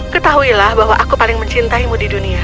ketahuilah bahwa aku paling mencintaimu di dunia